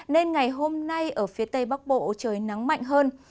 nên ngày hôm nay ở phía tây bắc bộ trời nắng mạnh hơn